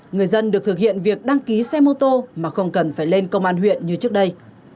người dân được thực hiện việc đăng ký xe mô tô mà không cần phải lên công an huyện như trước đây